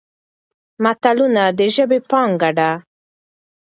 متلونه د ژبې پانګه ده.